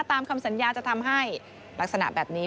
ตามคำสัญญาจะทำให้ลักษณะแบบนี้